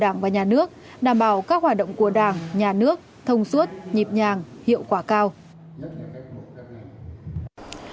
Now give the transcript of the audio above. đảng và nhà nước đảm bảo các hoạt động của đảng nhà nước thông suốt nhịp nhàng hiệu quả cao